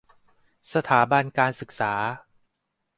สถานบันการศึกษา